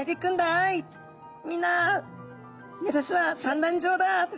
みんな目指すは産卵場だっと。